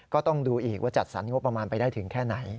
ก็ต้องดูอีกว่าจัดสรรงบประมาณไปได้ถึงแค่ไหน